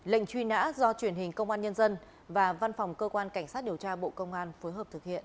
lệnh truy nã do truyền hình công an nhân dân và văn phòng cơ quan cảnh sát điều tra bộ công an phối hợp thực hiện